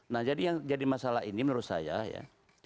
nah jadi yang jadi masalah ini menurut saya ya